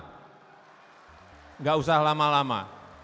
tidak usah lama lama